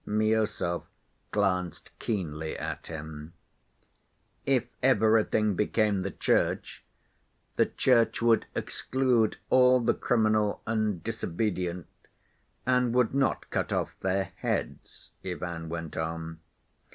Miüsov glanced keenly at him. "If everything became the Church, the Church would exclude all the criminal and disobedient, and would not cut off their heads," Ivan went on.